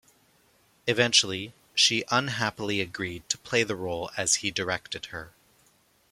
Eventually, she unhappily agreed to play the role as he directed her.